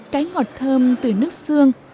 cái ngọt thơm từ nước xương